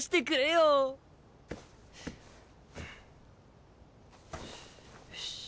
よし。